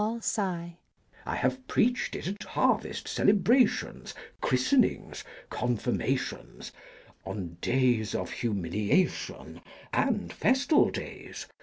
] I have preached it at harvest celebrations, christenings, confirmations, on days of humiliation and festal days.